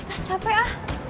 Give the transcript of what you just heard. ah capek ah